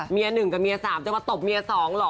เมียหนึ่งกับเมียสามจะมาตบเมียสองเหรอ